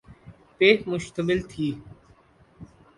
پہ مشتمل تھی۔